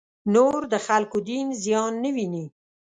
نور د خلکو دین زیان نه وویني.